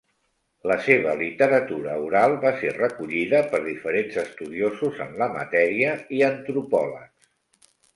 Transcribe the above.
La seva literatura oral va ser recollida per diferents estudiosos en la matèria i antropòlegs.